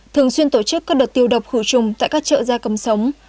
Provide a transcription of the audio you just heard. thường xuyên tổ chức các đợt tiêu độc khử trùng tại các chợ gia cầm sống